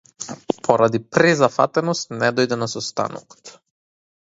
Поради презафатеност не дојде на состанокот.